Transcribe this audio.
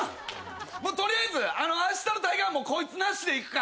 取りあえずあしたの大会はこいつなしでいくから。